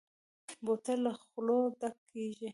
بوتل له خولو ډک کېږي.